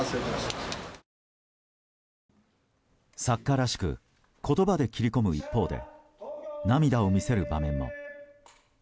作家らしく言葉で切り込む一方で涙を見せる場面も。